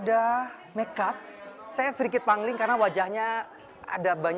terhabis itu agak susah kalau kacanya cuma satu